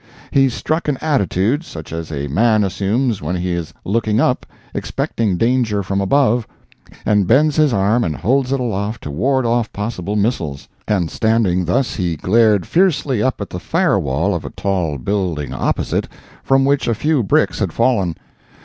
He struck an attitude such as a man assumes when he is looking up, expecting danger from above, and bends his arm and holds it aloft to ward off possible missiles—and standing thus he glared fiercely up at the fire wall of a tall building opposite, from which a few bricks had fallen.